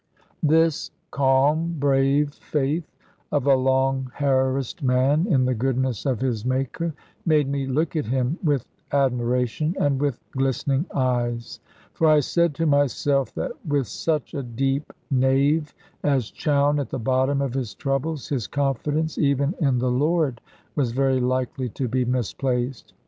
This calm brave faith of a long harassed man in the goodness of his Maker made me look at him with admiration and with glistening eyes; for I said to myself that with such a deep knave as Chowne at the bottom of his troubles, his confidence even in the Lord was very likely to be misplaced.